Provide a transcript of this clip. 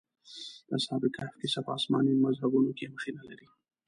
د اصحاب کهف کيسه په آسماني مذهبونو کې مخینه لري.